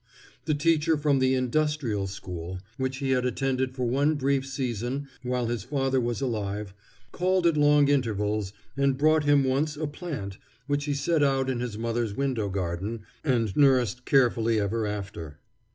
The teacher from the Industrial School, which he had attended for one brief season while his father was alive, called at long intervals, and brought him once a plant, which he set out in his mother's window garden and nursed carefully ever after.